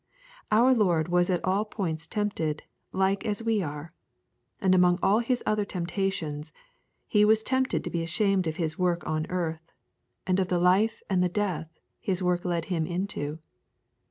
Our Lord was in all points tempted like as we are, and among all His other temptations He was tempted to be ashamed of His work on earth and of the life and the death His work led Him into.